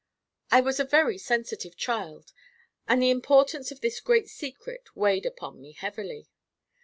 I was a very sensitive child, and the importance of this great secret weighed upon me heavily.